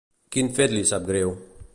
Quin fet li sap greu?